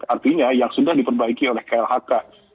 artinya yang sudah diperbaiki oleh klhk